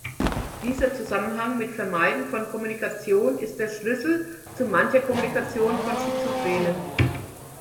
Dieser Zusammenhang mit Vermeiden von Kommunikation ist der Schlüssel zu mancher Kommunikation von Schizophrenen.